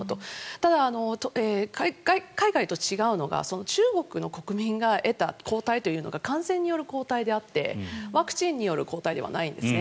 ただ、海外と違うのが中国の国民が得た抗体というのが感染による抗体であってワクチンによる抗体ではないんですね。